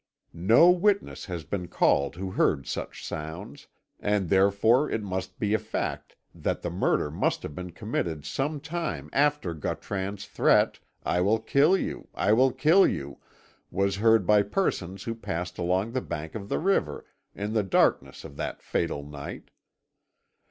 No witness has been called who heard such sounds, and therefore it must be a fact that the murder must have been committed some time after Gautran's threat, 'I will kill you, I will kill you!' was heard by persons who passed along the bank of the river in the darkness of that fatal night.